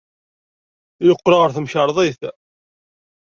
Yeqqel ɣer temkarḍit.